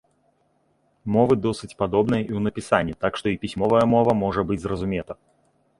Мовы досыць падобныя і ў напісанні, так што і пісьмовая мова можа быць зразумета.